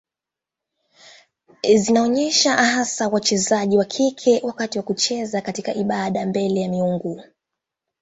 Zinaonyesha hasa wachezaji wa kike wakati wa kucheza katika ibada mbele ya miungu.